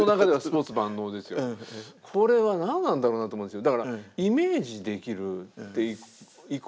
これはなんなんだろうなと思うんですよ。